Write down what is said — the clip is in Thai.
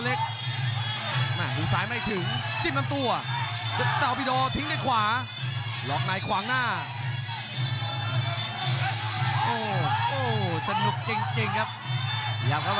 โอ้หาแล้วก็ในช่วงกลายยกครับ